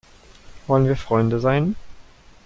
Wollen wir Freunde sein?